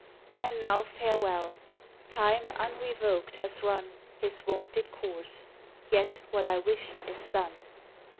And now, farewell! Time, unrevoked, has run His wonted course; yet what I wished is done.